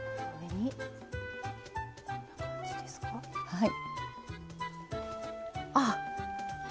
はい。